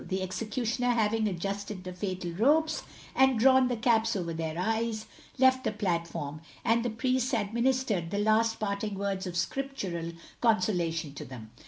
The executioner having adjusted the fatal ropes, and drawn the caps over their eyes, left the platform, and the priests administered the last parting words of scriptural consolation to them.